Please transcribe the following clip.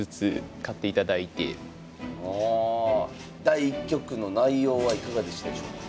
第１局の内容はいかがでしたでしょうか？